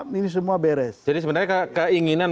kita sudah lama beres jadi sebenarnya keinginan